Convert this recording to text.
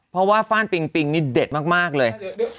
เพราะว่าฟ่านปิงปิงนี่เด็ดมากเลย